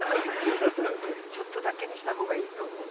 ちょっとだけにした方がいいと思う。